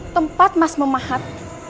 tempat mas memahat